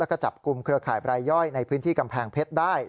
แล้วก็จับกลุ่มเครือข่ายบรายย่อยในพื้นที่กำแพงเพชรได้